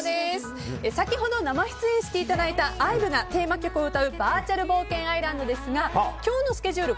先ほど生出演していただいたＩＶＥがテーマソングを歌うバーチャル冒険アイランドですが今日のスケジュール